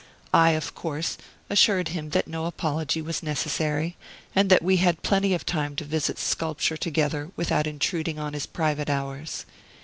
I, of course, assured him that no apology was necessary, and that we had plenty of time to visit sculpture together without intruding on his private hours.